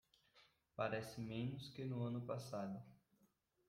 Parece menos que no ano passado